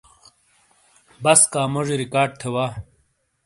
بَسکاموجی ریکارڈ تھے وا۔